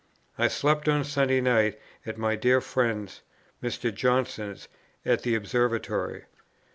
I slept on Sunday night at my dear friend's, Mr. Johnson's, at the Observatory.